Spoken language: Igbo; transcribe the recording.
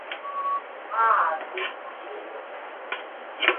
Maazị Victor Oye